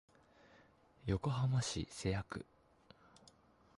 横浜市瀬谷区